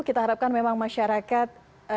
kita harapkan memang masyarakat